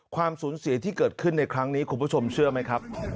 ความสูญเสียที่เกิดขึ้นในครั้งนี้คุณผู้ชมเชื่อไหมครับ